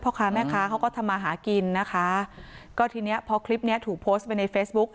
ค้าแม่ค้าเขาก็ทำมาหากินนะคะก็ทีเนี้ยพอคลิปเนี้ยถูกโพสต์ไปในเฟซบุ๊ค